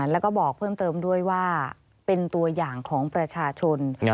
แล้วก็บอกเพิ่มเติมด้วยว่าเป็นตัวอย่างของประชาชน